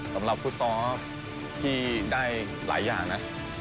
สำหรับฟุตซอสพี่ได้หลายอย่างนะ